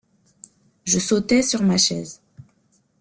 Je sautai sur ma chaise.